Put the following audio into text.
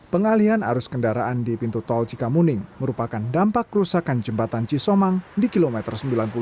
pengalian arus kendaraan di pintu tol cikamuning merupakan dampak kerusakan jembatan cisomang di kilometer sembilan puluh delapan